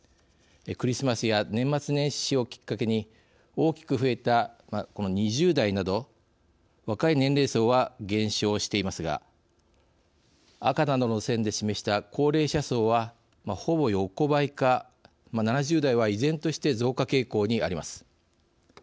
クリスマスや年末年始をきっかけに大きく増えた、この２０代など若い年齢層は減少していますが赤などの線で示した高齢者層はほぼ横ばいか、７０代は依然として増加傾向にあります。